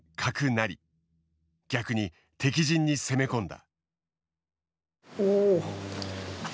逆に敵陣に攻め込んだ。